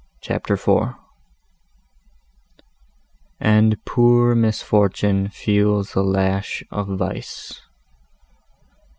CHAPTER IV And poor Misfortune feels the lash of Vice.